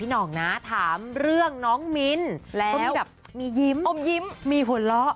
พี่นองนะถามเรื่องน้องมิ้นมียิ้มมีหัวเราะ